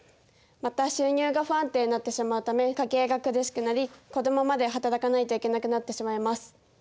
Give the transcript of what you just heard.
また収入が不安定になってしまうため家計が苦しくなり子どもまで働かないといけなくなってしまいます。